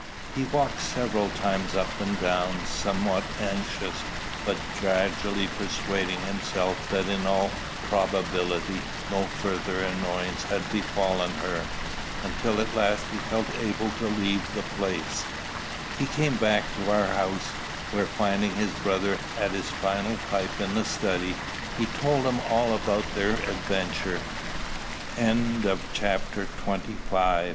He walked several times up and down, somewhat anxious, but gradually persuading himself that in all probability no further annoyance had befallen her; until at last he felt able to leave the place. He came back to our house, where, finding his brother at his final pipe in the study, he told him all about their adventure. CHAPTER XXIV. MY FIRST TERROR.